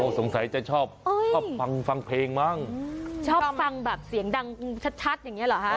สงสัยจะชอบชอบฟังฟังเพลงมั้งชอบฟังแบบเสียงดังชัดอย่างเงี้เหรอฮะ